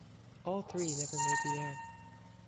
All three never made the air.